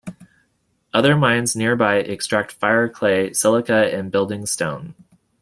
Other mines nearby extract fire-clay, silica and building stone.